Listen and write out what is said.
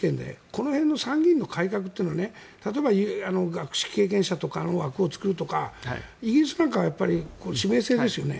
この辺の参議院の改革は例えば学識経験者の枠を作るとかイギリスなんかは指名制ですよね。